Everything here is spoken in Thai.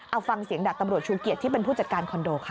เอาฟังเสียงดาบตำรวจชูเกียจที่เป็นผู้จัดการคอนโดค่ะ